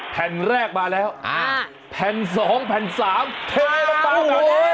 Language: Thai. แผ่นแรกมาแล้วแผ่นสองแผ่นสามเทปตามมาแล้ว